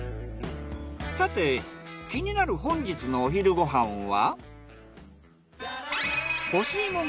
さて気になる本日のお昼ご飯は？